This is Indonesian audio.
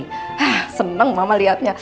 hah seneng mama liatnya